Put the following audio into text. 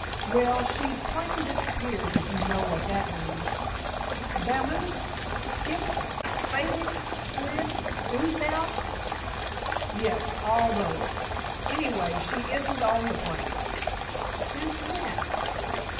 "Well, she's plain disappeared, if you know what that means." "Vamoosed? Skipped? Faded? Slid? Oozed out?" "Yes; all those. Anyway, she isn't on the place." "Since when?"